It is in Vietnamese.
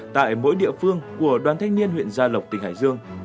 tại mỗi địa phương của đoàn thanh niên huyện gia lộc tỉnh hải dương